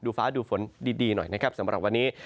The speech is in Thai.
ฟ้าดูฝนดีหน่อยนะครับสำหรับวันนี้